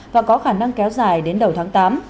và có khả năng kéo dài đến đầu tháng tám